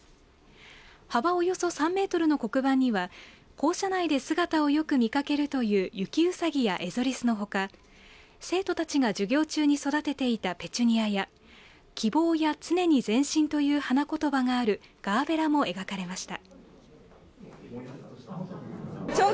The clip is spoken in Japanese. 幅およそ３メートルの黒板には校舎内で姿をよく見かけるというユキウサギやエゾリスのほか生徒たちが授業中に育てていたペチュニアや希望や常に前進という花言葉があるガーベラも描かれました。